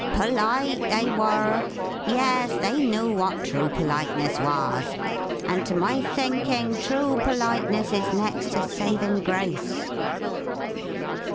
Polite, they wor! Yes, they knew what true politeness was; and to my thinking true politeness is next to saving grace."